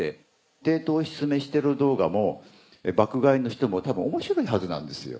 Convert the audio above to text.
低糖質飯テロ動画も爆買いの人も多分面白いはずなんですよ。